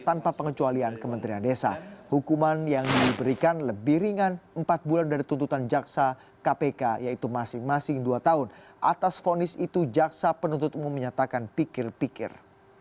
terbukti memberikan uang suap kepada dua auditor badan pemeriksa keuangan terkait pemberian opini wajar